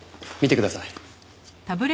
見てください。